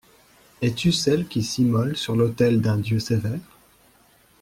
Es-tu celle qui s'immole sur l'autel d'un dieu sévère?